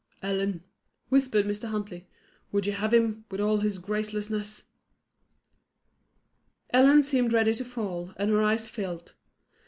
"Ellen," whispered Mr. Huntley, "would you have him, with all his gracelessness?" Ellen seemed ready to fall, and her eyes filled.